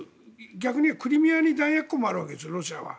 逆に言えばクリミアに弾薬庫もあるわけです、ロシアは。